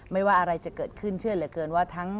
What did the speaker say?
ไม่ว่าอะไรจะเกิดขึ้นเชื่อเหลือเกินว่าทั้ง